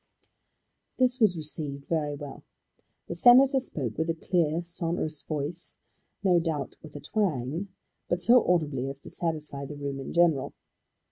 This was received very well. The Senator spoke with a clear, sonorous voice, no doubt with a twang, but so audibly as to satisfy the room in general.